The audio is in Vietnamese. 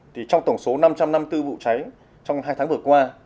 thì trong tổng số năm trăm năm mươi bốn vụ cháy trong hai tháng vừa qua